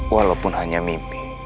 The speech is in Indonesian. walaupun hanya mimpi